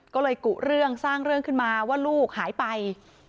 ก็เลยกุเรื่องสร้างเรื่องขึ้นมาว่าลูกหายไป